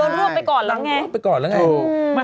โดนรวบไปก่อนแล้วไง